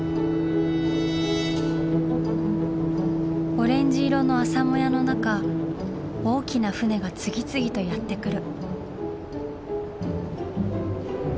オレンジ色の朝もやの中大きな船が次々とやって来る。